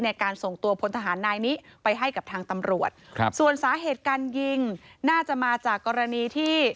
ในการส่งตัวพลทหารนายนี้ไปให้กับทางตำรวจครับส่วนสาเหตุการยิงน่าจะมาจากกรณีที่